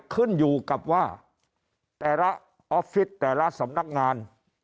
ขึ้นอยู่กับว่าแต่ละออฟฟิศแต่ละสำนักงาน